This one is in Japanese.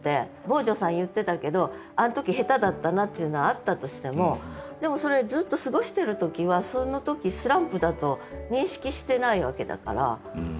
坊城さん言ってたけどあの時下手だったなっていうのあったとしてもでもそれずっと過ごしてる時はその時スランプだと認識してないわけだから。